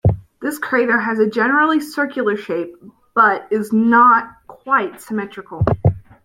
This crater has a generally circular shape, but is not quite symmetrical.